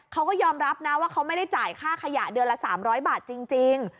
เขาก็ยอมรับนะว่าเขาไม่ได้จ่ายค่าขยะเดือนละ๓๐๐บาทจริง